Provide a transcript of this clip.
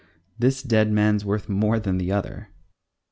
This dead man's worth more than the other.